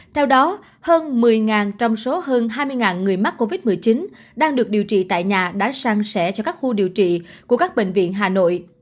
theo đó hơn một mươi trong số hơn hai mươi người mắc covid một mươi chín đang được điều trị tại nhà đã sang sẻ cho các khu điều trị của các bệnh viện hà nội